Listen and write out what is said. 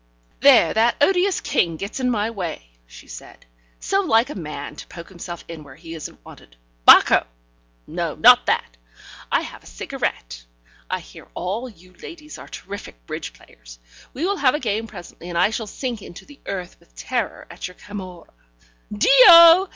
"There, that odious king gets in my way," she said. "So like a man to poke himself in where he isn't wanted. Bacco! No, not that: I have a cigarette. I hear all you ladies are terrific bridge players: we will have a game presently, and I shall sink into the earth with terror at your Camorra! Dio!